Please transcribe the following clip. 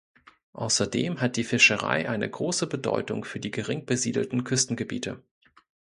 Außerdem hat die Fischerei eine große Bedeutung für die gering besiedelten Küstengebiete.